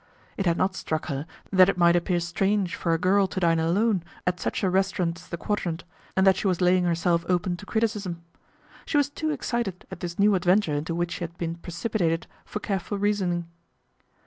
It had not struck her that it might appear strange for a girl to dine alone at such a restaurant as the Quadrant, and that she was laying herself open to criticism. She was too excited at this new adven ture into which she had been precipitated for care ful reasoning.